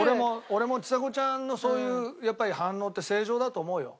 俺もちさ子ちゃんのそういう反応って正常だと思うよ。